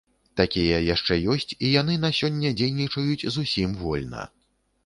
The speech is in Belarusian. Такія яшчэ ёсць, і яны на сёння дзейнічаюць зусім вольна.